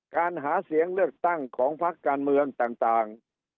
การหาเสียงเลือกตั้งของพักการเมืองต่าง